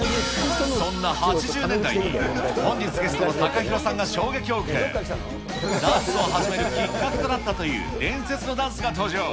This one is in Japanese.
そんな８０年代に、本日ゲストのＴＡＫＡＨＩＲＯさんが衝撃を受け、ダンスを始めるきっかけとなったという、伝説のダンスが登場。